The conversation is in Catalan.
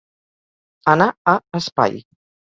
Anar a espai.